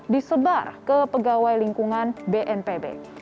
disebar ke pegawai lingkungan bnpb